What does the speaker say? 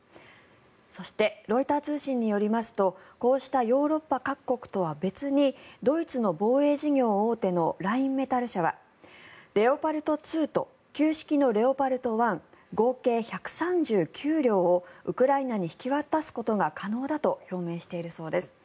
そしてロイター通信によりますとこうしたヨーロッパ各国とは別にドイツの防衛事業大手のラインメタル社はレオパルト２と旧式のレオパルト１合計１３９両をウクライナに引き渡すことが可能だと表明しているそうです。